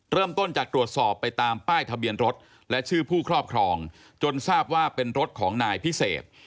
เริ่มต้นจากตรวจสอบไปตามป้ายทะเบียนรถและชื่อผู้ครอบครองจนทราบว่าเป็นรถของนายพิเศษ